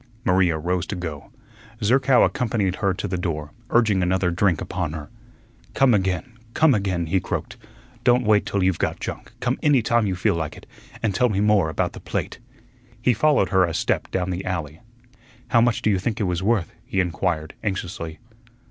Maria rose to go. Zerkow accompanied her to the door, urging another drink upon her. "Come again, come again," he croaked. "Don't wait till you've got junk; come any time you feel like it, and tell me more about the plate." He followed her a step down the alley. "How much do you think it was worth?" he inquired, anxiously.